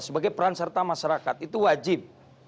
sebagai peran serta masyarakat itu wajib